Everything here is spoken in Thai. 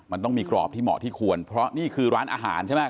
มันต้องมีกรอบที่เหมาะที่ควรเพราะนี่คือร้านอาหารใช่ไหม